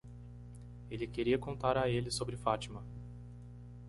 Ele queria contar a ele sobre Fátima.